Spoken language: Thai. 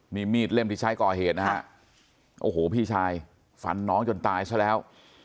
นี่มีดเล่มที่ใช้ก่อเหตุนะฮะโอ้โหพี่ชายฟันน้องจนตายซะแล้ว